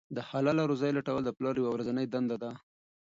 د حلاله روزۍ لټول د پلار یوه ورځنۍ دنده ده.